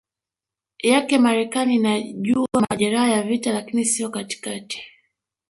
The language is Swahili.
yake Marekani inajua majeraha ya vita lakini sio katikati